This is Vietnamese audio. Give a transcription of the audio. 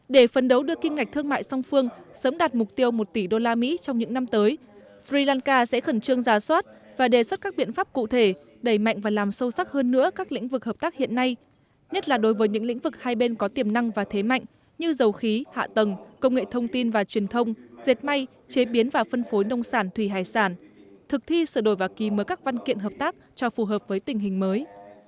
để phấn đấu đưa kim ngạch thương mại song phương sớm đạt mục tiêu một tỷ đô la mỹ trong những năm tới sri lanka sẽ khẩn trương giả soát và đề xuất các biện pháp cụ thể đẩy mạnh và làm sâu sắc hơn nữa các lĩnh vực hợp tác hiện nay nhất là đối với những lĩnh vực hai bên có tiềm năng và thế mạnh như dầu khí hạ tầng công nghệ thông tin và truyền thông dệt may chế biến và phân phối nông sản thủy hải sản thực thi sửa đổi và ký mở các văn kiện hợp tác cho phù hợp với tình hình mới